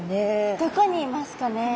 どこにいますかね。